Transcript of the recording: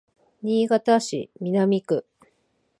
新潟市南区